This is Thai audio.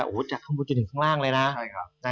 เออจะถึงข้างล่างเลยนะ